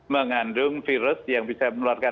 mengandung virus yang bisa menularkan